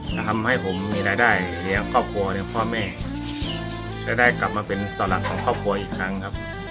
ทำให้ผมมีรายได้เลี้ยงครอบครัวเลี้ยงพ่อแม่จะได้กลับมาเป็นเสาหลักของครอบครัวอีกครั้งครับ